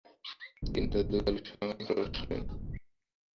তিনি তাঁর দু'টো গল্প সমগ্র প্রকাশ করেন।